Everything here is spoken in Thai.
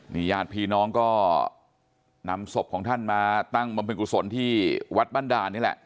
นี่ญาติพี่น้องก็นำศพของท่านมาตั้งบำเพ็ญกุศลที่วัดบ้านด่านนี่แหละ